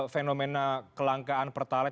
fenomena kelangkaan pertalat